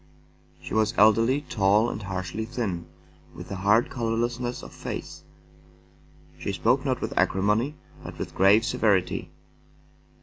She was elderly, tall, and harshly thin, with a hard color lessness of face. She spoke not with acrimony, but with grave severity.